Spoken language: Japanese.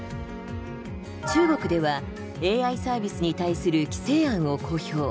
中国では、ＡＩサービスに対する規制案を公表。